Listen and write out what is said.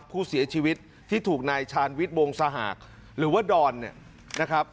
ผู้เสียชีวิตที่ถูกนายชาญวิทย์วงสหากหรือว่าดอนเนี่ยนะครับ